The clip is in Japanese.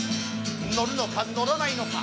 載るのか載らないのか。